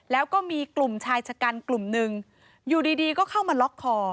แล้วก็มีกลุ่มชายชะกันกลุ่มหนึ่งอยู่ดีก็เข้ามาล็อกคอ